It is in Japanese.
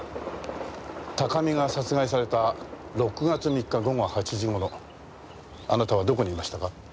高見が殺害された６月３日午後８時頃あなたはどこにいましたか？